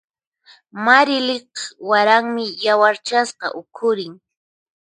Marilyq waranmi yawarchasqa ukhurin.